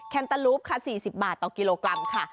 แคนเตอร์รูปค่ะ๔๐บาทต่อกิโลกรัมค่ะ